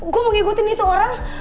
gue mau ngikutin itu orang